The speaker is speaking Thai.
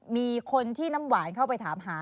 มีคนที่น้ำหวานเข้าไปถามหา